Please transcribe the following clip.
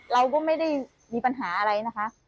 เราก็ไม่ได้มีปัญหาอะไรนะคะ